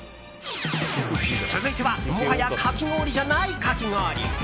続いてはもはや、かき氷じゃないかき氷！